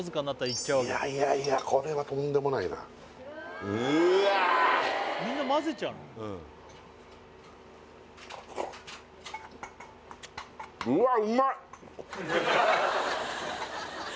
いやいやこれはとんでもないなうわうわ